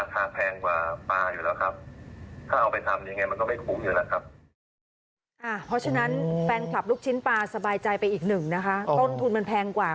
ใช่ครับมันเป็นแปลงไม่ได้อยู่แล้วครับ